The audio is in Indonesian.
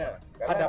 arahkan ke darat ya